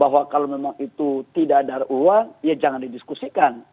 bahwa kalau memang itu tidak ada uang ya jangan didiskusikan